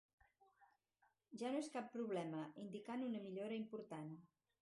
Ja no és cap problema, indicant una millora important.